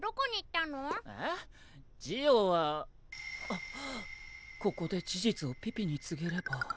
あっここで事実をピピに告げれば。